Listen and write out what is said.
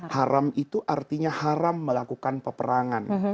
haram itu artinya haram melakukan peperangan